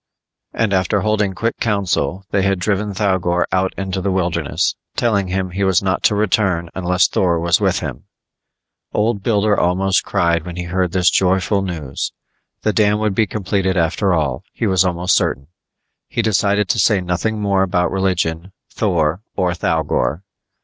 And after holding quick council, they had driven Thougor out into the wilderness, telling him he was not to return unless Thor was with him. Old Builder almost cried when he heard this joyful news. The dam would be completed after all, he was almost certain. He decided to say nothing more about religion, Thor or Thougor.